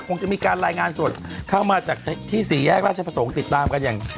คงจะมีการรายงานสดเข้ามาจากที่สี่แยกราชประสงค์ติดตามกันอย่าง